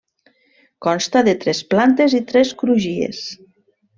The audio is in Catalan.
Consta de tres plantes i tres crugies.